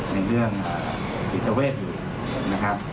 ในเรื่องจิตเวทอยู่นะครับ